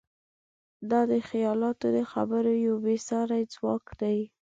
دا د خیالاتو د خبرو یو بېساری ځواک دی.